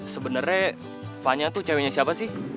sebenernya vanya tuh ceweknya siapa sih